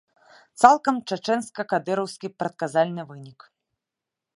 Цалкам чачэнска-кадыраўскі прадказальны вынік.